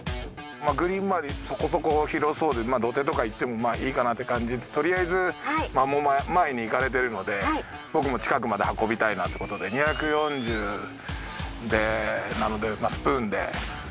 グリーンまわりそこそこ広そうで土手とかいってもまあいいかなって感じでとりあえずもう前に行かれてるので僕も近くまで運びたいなってことで２４０なのでスプーンで。